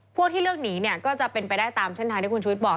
พวกที่เลือกหนีเนี่ยก็จะเป็นไปได้ตามเส้นทางที่คุณชุวิตบอก